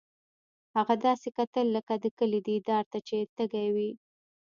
هغه داسې کتل لکه د کلي دیدار ته چې تږی وي